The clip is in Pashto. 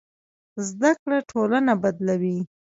زده کړه ټولنه بدلوي.